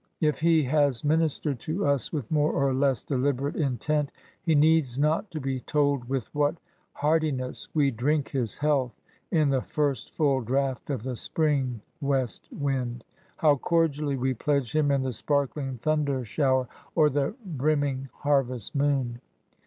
If he has ministered to us with more or less deliberate intent, he needs not to be told with what hearti ness we drink his health in the first frdl draught of the spring west wind — how cordially we pledge him in the sparkling thunder shower, or the brim ming haryest moon.